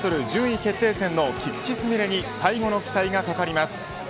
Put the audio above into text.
順位決定戦の菊池純礼に最後の期待がかかります。